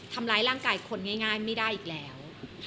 ทำร้ายร่างกายคนง่ายไม่ได้อีกแล้ว